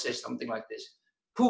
siapa yang ingin membunuh uber